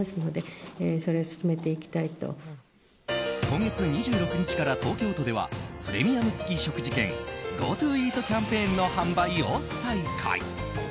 今月２６日から東京都ではプレミアム付食事券ＧｏＴｏイートキャンペーンの販売を再開。